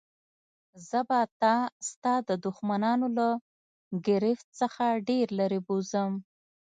زه به تا ستا د دښمنانو له ګرفت څخه ډېر لیري بوزم.